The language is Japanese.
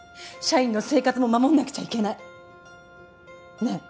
社員の生活も守んなくちゃいけないね